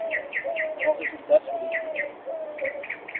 Sans résultat sur les juges.